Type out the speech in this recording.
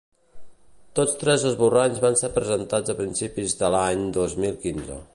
Tots tres esborranys van ser presentats a principis de l’any dos mil quinze.